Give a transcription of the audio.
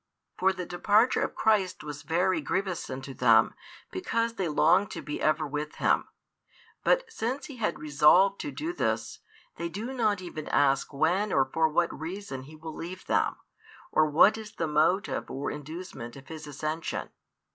For the departure of Christ was very grievous unto them, because they longed to be ever with Him. But since He had resolved to do this, they do not even ask when or for what reason He will leave them, or what is the motive or inducement of His Ascension.